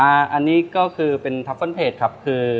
อันนี้ก็คือเป็นทัฟเฟิร์นเพจครับ